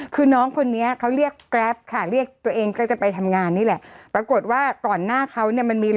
กลัวมันเปิดแล้วมันลงมาอะไรอย่างนี้